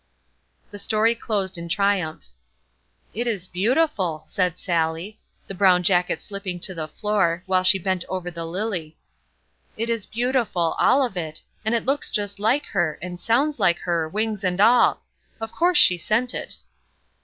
The story closed in triumph. "It is beautiful!" said Sallie, the brown jacket slipping to the floor, while she bent over the lily. "It is beautiful, all of it, and it looks just like her, and sounds like her, wings and all; of course she sent it."